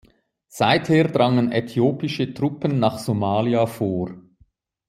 Seither drangen äthiopische Truppen nach Somalia vor.